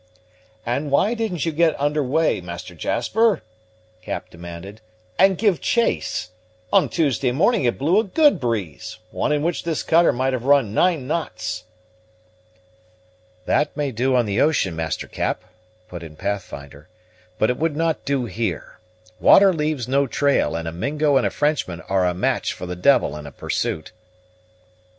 "And why didn't you get under weigh, Master Jasper," Cap demanded, "and give chase? On Tuesday morning it blew a good breeze; one in which this cutter might have run nine knots." "That may do on the ocean, Master Cap," put in Pathfinder, "but it would not do here. Water leaves no trail, and a Mingo and a Frenchman are a match for the devil in a pursuit."